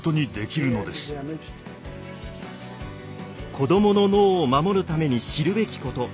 子どもの脳を守るために知るべきこと。